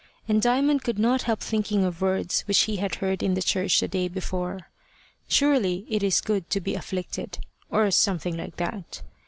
And Diamond could not help thinking of words which he had heard in the church the day before: "Surely it is good to be afflicted;" or something like that.